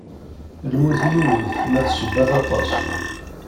Lmut yiwet, ma d ssebbat aṭas.